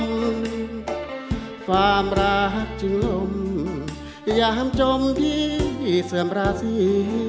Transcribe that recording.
ความรักจึงลมยามจมที่เสื่อมราศี